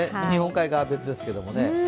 日本海側は別ですけどもね。